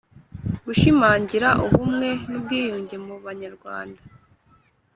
Gushimangira ubumwe n’ ubwiyunge muba nyarwanda